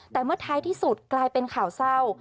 แต่เมื่อท้ายที่สุดกลายเป็นข่าวเศร้า